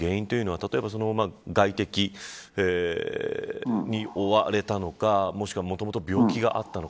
例えば外敵に追われたのかもしくはもともと病気があったのか。